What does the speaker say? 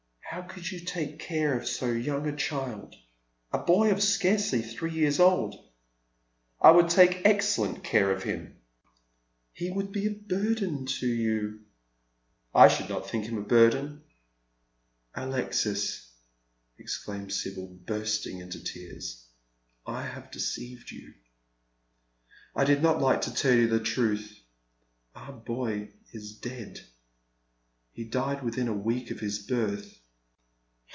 " How could you take care of so young a child — ^a boy of Bcarcely tliree years old ?" "I would take excellent care of him." " He would be a burden to you." I should not think him a burden." JBetwcsn Love and Gold. 177 "Alexis I" exclaimed Sibyl, bursting into tears. "I havo deceived you. I did not like to tell you the truth. Our boy ia dead. He died within a week of his birth."